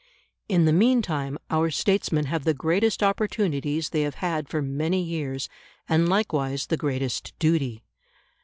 In the meantime our statesmen have the greatest opportunities they have had for many years, and likewise the greatest duty.